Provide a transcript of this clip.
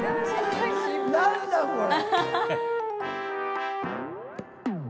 何だこれ。